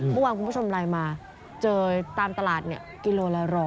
เมื่อวานคุณผู้ชมไลน์มาเจอตามตลาดกิโลละ๑๐๐